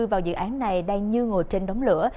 vào dự án này đang như ngồi trên đống lửa